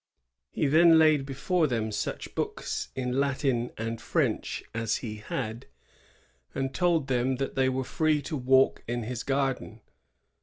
"^ He then laid before them such books in Latin and French as he had, and told them that they were free to. walk in his garden.